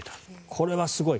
これはすごい。